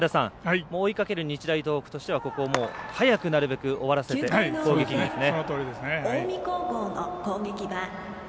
追いかける日大東北としては早くなるべく終わらせて攻撃にですね。